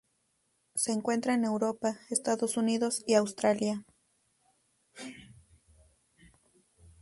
Se encuentra en Europa, Estados Unidos y Australia.